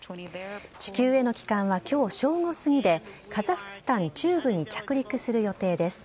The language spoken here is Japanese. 地球への帰還はきょう正午過ぎで、カザフスタン中部に着陸する予定です。